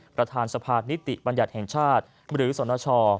ประธานสภานิติบัญญัติแห่งชาติหรือสนช